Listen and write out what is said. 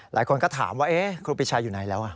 หลายคนก็ถามว่าครูปีชาอยู่ไหนแล้ว